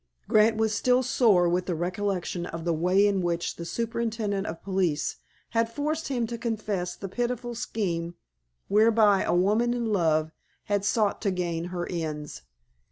Grant was still sore with the recollection of the way in which the superintendent of police had forced him to confess the pitiful scheme whereby a woman in love had sought to gain her ends.